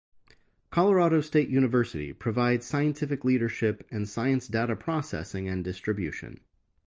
Colorado State University provides scientific leadership and science data processing and distribution.